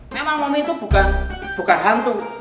memang momen itu bukan hantu